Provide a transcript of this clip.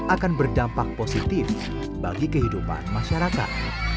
akan berdampak positif bagi kehidupan masyarakat